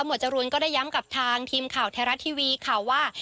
หมวดจรวงก็ได้ย้ำกับทางทีมข่าวเทราะทีวีว่า